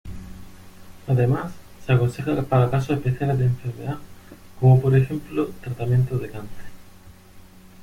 Además, se aconseja para casos especiales de enfermedad, como por ejemplo, tratamientos de cáncer.